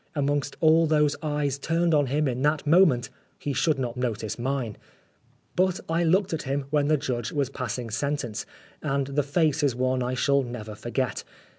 Amongst all those eyes turned on him in that moment, he should not notice mine. But I looked at him when the judge was passing sentence, and the face is one I shall never forget.